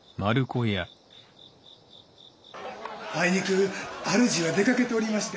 あいにく主は出かけておりまして。